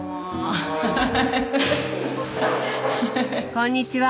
こんにちは。